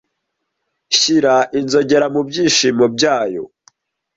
shyira inzogera mu byishimo byayo